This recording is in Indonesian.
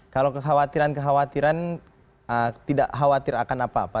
kalau kekhawatiran kekhawatiran tidak khawatir akan apa apa